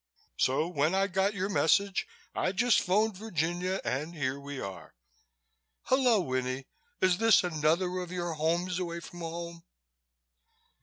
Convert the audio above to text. So when I got your message, I just phoned Virginia and here we are. Hullo, Winnie, is this another of your homes away from home?"